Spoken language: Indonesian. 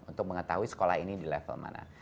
untuk mengetahui sekolah ini di level mana